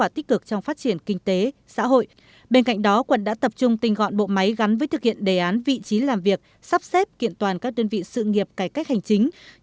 bên cạnh đó quận đã tập trung tinh gọn bộ máy gắn với thực hiện đề án vị trí làm việc sắp xếp kiện toàn các đơn vị sự nghiệp cải cách hành chính